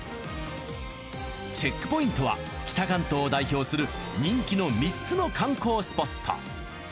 チェックポイントは北関東を代表する人気の３つの観光スポット。